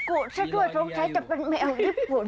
ถ้าจวยสงสัยจะเป็นแมวญี่ปุ่น